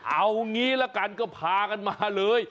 เอางี้ละกันก็พากันมาเลย